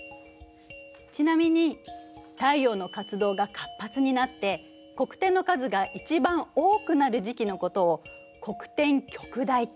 ちなみに太陽の活動が活発になって黒点の数が一番多くなる時期のことを黒点極大期。